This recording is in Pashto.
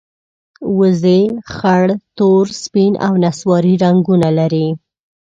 وزې خړ، تور، سپین او نسواري رنګونه لري